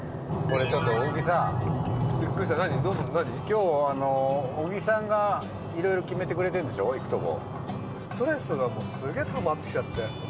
小木さん、小木さんがいろいろ決めてくれてるんでしょ、行くとこ。